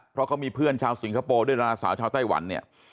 เพราะเขามีเพื่อนชาวสิงคโปร์ด้วยดาราสาวชาวไต้หวันเนี่ย